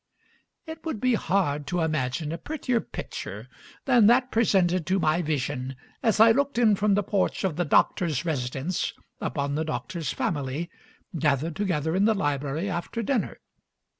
It would be hard to imagine a prettier picture than that presented to my vision as I looked in from the porch of the doctor's residence upon the doctor's family gathered together in the library after dinner.